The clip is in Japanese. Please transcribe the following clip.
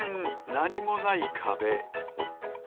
なにもないかべ。